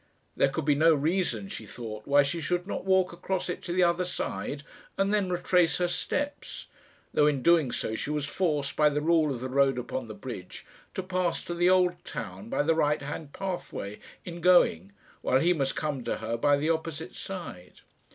There could be no reason, she thought, why she should not walk across it to the other side and then retrace her steps, though in doing so she was forced, by the rule of the road upon the bridge, to pass to the Old Town by the right hand pathway in going, while he must come to her by the opposite side.